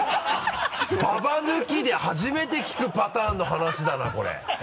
ババ抜きで初めて聞くパターンの話だなこれ。